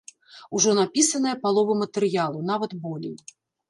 Ужо напісаная палова матэрыялу, нават, болей.